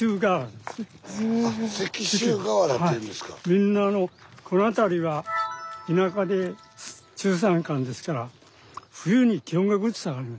みんなあのこの辺りは田舎で中山間ですから冬に気温がぐっと下がる。